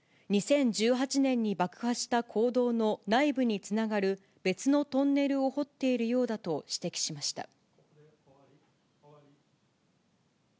２０１８年に爆破した坑道の内部につながる別のトンネルを掘っているようだと指摘しました。